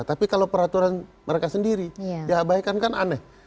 tapi kalau peraturan mereka sendiri diabaikan kan aneh